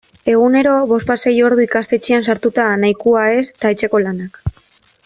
Egunero bospasei ordu ikastetxean sartuta nahikoa ez eta etxeko lanak.